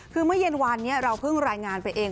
คือเมื่อเย็นวานนี้เราเพิ่งรายงานไปเอง